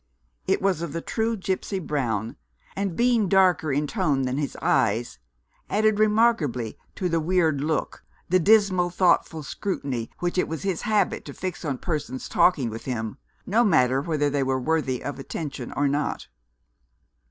It was of the true gipsy brown, and, being darker in tone than his eyes, added remarkably to the weird look, the dismal thoughtful scrutiny, which it was his habit to fix on persons talking with him, no matter whether they were worthy of attention or not.